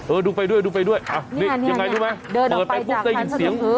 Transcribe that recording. เออดูไปด้วยดูไปด้วยนี่ยังไงดูไหมเดินไปพวกเจ้าได้ยินเสียง